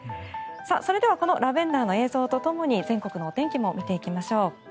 それではこのラベンダーの映像とともに全国のお天気も見ていきましょう。